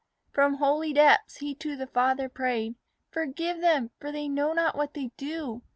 From holy depths he to the Father prayed, "Forgive them, for they know not what they do."